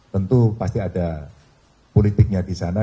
tentu pasti ada politiknya di sana